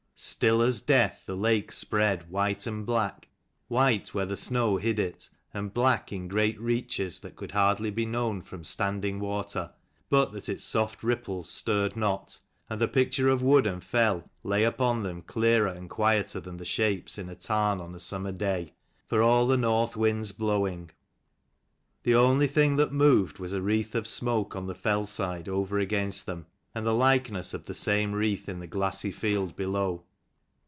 Still as death the lake spread, white and black ; white where the snow hid it, and black in great reaches that could hardly be known from standing water, but that its soft ripples stirred not, and the picture of wood and fell lay upon them clearer and quieter than the shapes in a tarn on a summer day, for all the north wind's blowing. The only thing that moved was a wreath of smoke on the fell side over against them, and the likeness of the same wreath in the glassy field below.